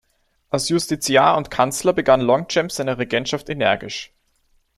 Als Justiciar und Kanzler begann Longchamp seine Regentschaft energisch.